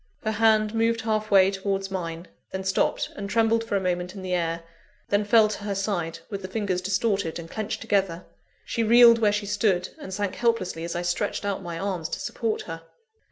Her hand moved halfway towards mine; then stopped, and trembled for a moment in the air; then fell to her side, with the fingers distorted and clenched together. She reeled where she stood, and sank helplessly as I stretched out my arms to support her.